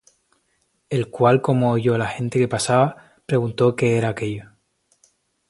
El cual como oyó la gente que pasaba, preguntó qué era aquello.